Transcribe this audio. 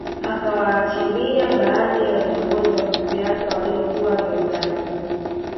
Akawaachilia baadhi ya viongozi wa kisiasa walio kuwa gerezani